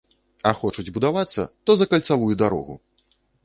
А хочуць будавацца, то за кальцавую дарогу!